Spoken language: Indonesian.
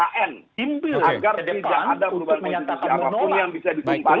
agar tidak ada perubahan politik apapun yang bisa ditimpang